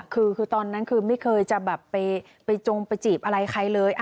คือตอนนั้นคือไม่เคยจะแบบไปจงไปจีบอะไรใครเลย